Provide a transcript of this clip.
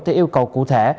theo yêu cầu cụ thể